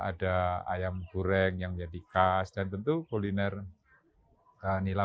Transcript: ada ayam goreng yang jadi khas dan tentu kuliner nila